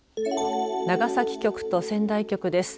長崎局と仙台局です。